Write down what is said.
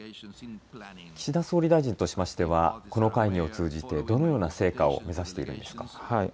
岸田総理大臣としましてはこの会議を通じてどのような成果を目指しているんでしょうか。